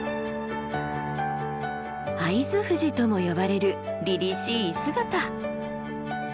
会津富士とも呼ばれるりりしい姿。